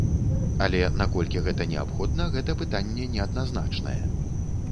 Але наколькі гэта неабходна, гэта пытанне неадназначнае.